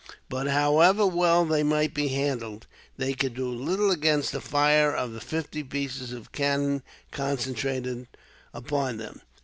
But, however well they might be handled, they could do little against the fire of the fifty pieces of cannon, concentrated upon them.